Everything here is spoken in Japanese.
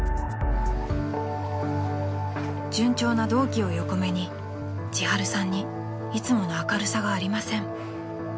［順調な同期を横目に千春さんにいつもの明るさがありません］